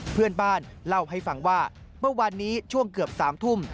เพื่อนบ้านเล่าให้ฟังว่าเมื่อวานนี้ช่วงเกือบ๓ทุ่ม